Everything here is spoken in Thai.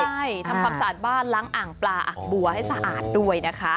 ใช่ทำความสะอาดบ้านล้างอ่างปลาอ่างบัวให้สะอาดด้วยนะคะ